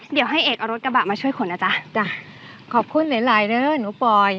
เดี๋ยวให้เอกเอารถกระบะมาช่วยขนนะจ๊ะจ้ะขอบคุณหลายหลายเด้อหนูปอย